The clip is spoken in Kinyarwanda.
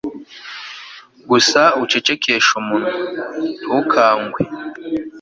gusa ucecekeshe umunwa, ntukangwe